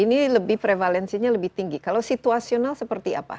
ini lebih prevalensinya lebih tinggi kalau situasional seperti apa